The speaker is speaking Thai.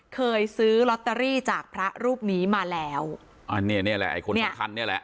เคยซื้อลอตเตอรี่จากพระรูปนี้มาแล้วอ่าเนี่ยนี่แหละไอ้คนสำคัญเนี่ยแหละ